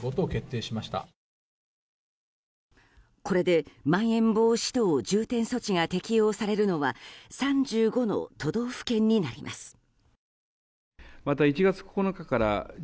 これでまん延防止等重点措置が適用されるのは３５の都道府県になります。